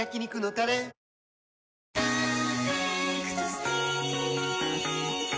「パーフェクトスティック」